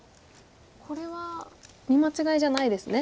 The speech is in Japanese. これは見間違いじゃないですね